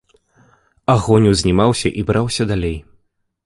Агонь узнімаўся і браўся далей.